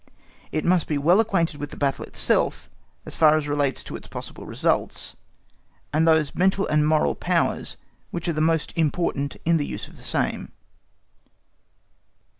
It must be well acquainted with the battle itself as far as relates to its possible results, and those mental and moral powers which are the most important in the use of the same.